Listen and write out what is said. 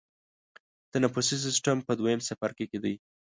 تنفسي سیستم په دویم څپرکي کې دی.